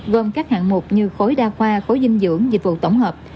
gồm các hạng mục như khối đa khoa khối dinh dưỡng dịch vụ tổng hợp